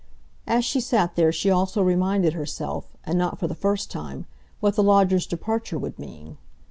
As she sat there she also reminded herself, and not for the first time, what the lodger's departure would mean.